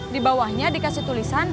di bawahnya dikasih tulisan